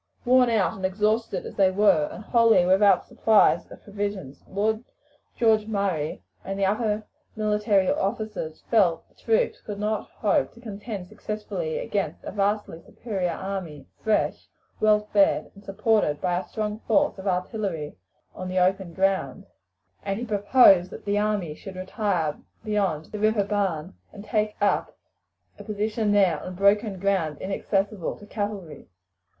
Worn out and exhausted as they were, and wholly without supplies of provisions, Lord George Murray and the other military officers felt that the troops could not hope to contend successfully against a vastly superior army, fresh, well fed, and supported by a strong force of artillery, on the open ground, and he proposed that the army should retire beyond the river Bairn, and take up a position there on broken ground inaccessible to cavalry.